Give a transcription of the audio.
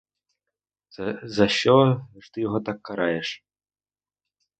За що ж ти його так караєш?